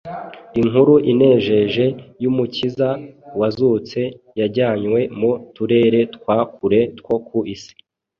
Inkuru inejeje y’Umukiza wazutse yajyanywe mu turere twa kure two ku isi.